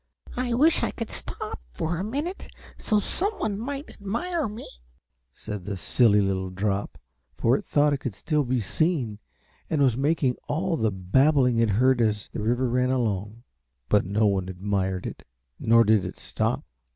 "I wish I could stop for a minute so some one might admire me," said the silly little drop, for it thought it could still be seen and was making all the babbling it heard as the river ran along. But no one admired it, nor did it stop.